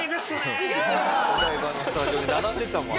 お台場のスタジオで並んでたもん。